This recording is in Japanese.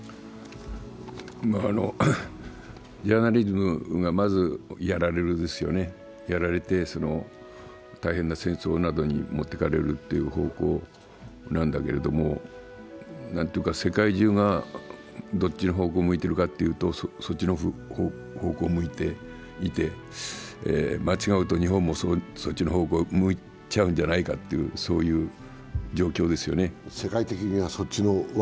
ジャーナリズムがまずやられるんですよね、やられて、大変な戦争などに持って行かれるという方向なんだけれども、世界中がどっちの方向を向いているかというとそっちの方向を向いていて、間違うと日本もそっちの方向を向いちゃうんじゃないかという状況ですよね。